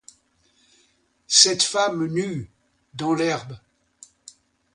Cette femme nue, dans l'herbe.